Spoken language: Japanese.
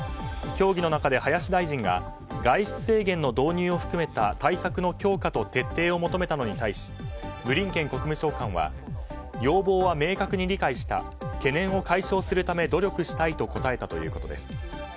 協議の中で林大臣が外出制限の導入を含めた対策の強化と徹底を求めたのに対しブリンケン国務長官は要望は明確に理解した懸念を解消するため努力したいと答えたということです。